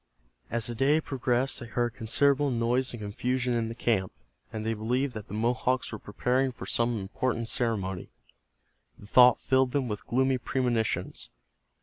As the day progressed they heard considerable noise and confusion in the camp, and they believed that the Mohawks were preparing for some important ceremony. The thought filled them with gloomy premonitions.